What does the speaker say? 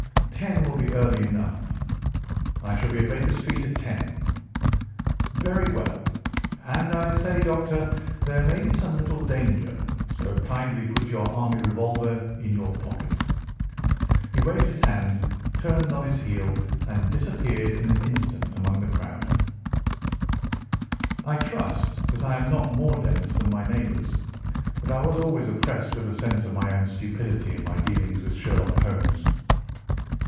"Ten will be early enough." "I shall be at Baker Street at ten." "Very well. And, I say, Doctor, there may be some little danger, so kindly put your army revolver in your pocket." He waved his hand, turned on his heel, and disappeared in an instant among the crowd. I trust that I am not more dense than my neighbours, but I was always oppressed with a sense of my own stupidity in my dealings with Sherlock Holmes.